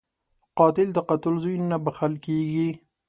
قاتل د قاتل زوی نه بخښل کېږي